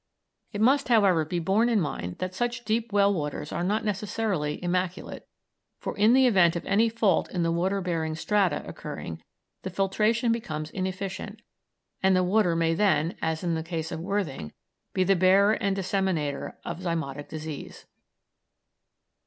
It must, however, be borne in mind that such deep well waters are not necessarily immaculate, for in the event of any fault in the water bearing strata occurring, the filtration becomes inefficient, and the water may then, as in the case of Worthing, be the bearer and disseminator of zymotic disease.